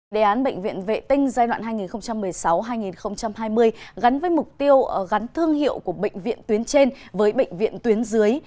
đề án bệnh viện vệ tinh giai đoạn hai nghìn một mươi sáu hai nghìn hai mươi gắn với mục tiêu gắn thương hiệu của bệnh viện tuyến trên với bệnh viện tuyến dưới